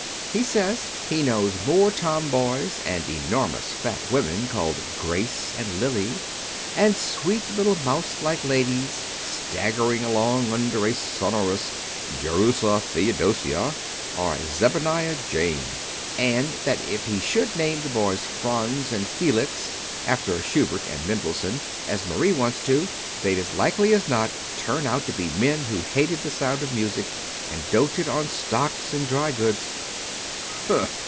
He says he knows more tomboys and enormous fat women named 'Grace' and 'Lily,' and sweet little mouse like ladies staggering along under a sonorous 'Jerusha Theodosia' or 'Zenobia Jane'; and that if he should name the boys 'Franz' and 'Felix' after Schubert and Mendelssohn as Marie wants to, they'd as likely as not turn out to be men who hated the sound of music and doted on stocks and dry goods."